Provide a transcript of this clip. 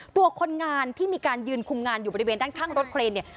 ตัวคนงานที่มีการยืนคุมงานอยู่บริเวณด้านข้างรถเครนเนี่ย